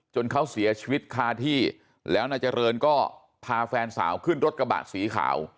เขาเสียชีวิตคาที่แล้วนายเจริญก็พาแฟนสาวขึ้นรถกระบะสีขาว